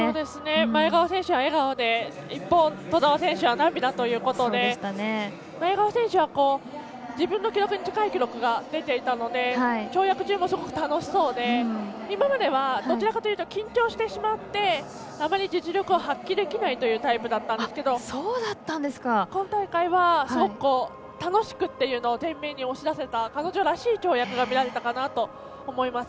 前川選手は笑顔で一方、兎澤選手は涙ということで前川選手は自分の記録に近い記録が出ていたので跳躍中も楽しそうで今まではどちらかというと緊張してあまり実力を発揮できないというタイプだったんですけど今大会は、すごく楽しくっていうのを前面に押し出せた彼女らしい跳躍が見られたかなと思います。